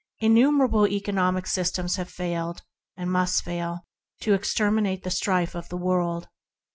Innumerable economic systems have failed, and must fail, to extirpate the strife of the world.